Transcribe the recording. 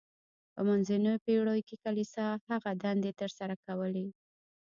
په منځنیو پیړیو کې کلیسا هغه دندې تر سره کولې.